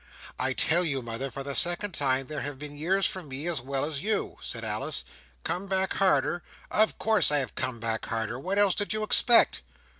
"I tell you, mother, for the second time, there have been years for me as well as you," said Alice. "Come back harder? Of course I have come back harder. What else did you expect?"